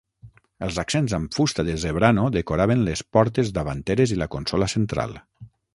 Els accents amb fusta de zebrano decoraven les portes davanteres i la consola central.